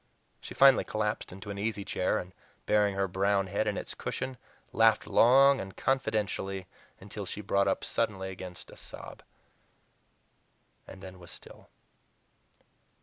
She finally collapsed into an easy chair, and, burying her brown head in its cushions, laughed long and confidentially until she brought up suddenly against a sob. And then was still.